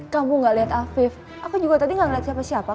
kamu nggak liat afif aku juga tadi nggak liat siapa siapa